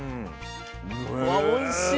あおいしい！